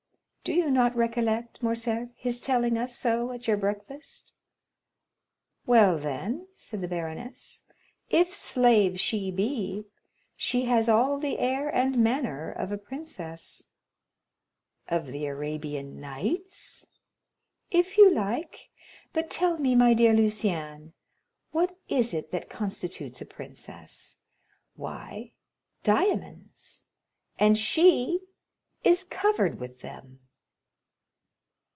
Do you not recollect, Morcerf, his telling us so at your breakfast?" "Well, then," said the baroness, "if slave she be, she has all the air and manner of a princess." "Of the 'Arabian Nights'." "If you like; but tell me, my dear Lucien, what it is that constitutes a princess. Why, diamonds—and she is covered with them."